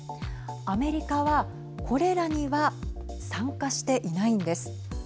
アメリカはこれらには参加していないんです。